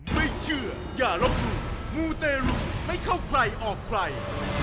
ไม่เชื่ออย่าลบหลู่มูเตรุไม่เข้าใครออกใคร